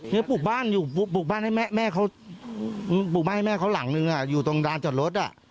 นี่ปลูกบ้านให้แม่เขาปลูกบ้านให้แม่เขาหลังหนึ่งอยู่ตรงร้านจอดรถ